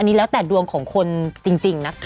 อันนี้แล้วแต่ดวงของคนจริงนะคะ